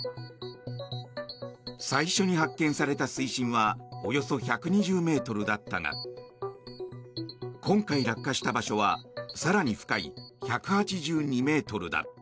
最初に発見された水深はおよそ１２０ｍだったが今回落下した場所は更に深い１８２ｍだ。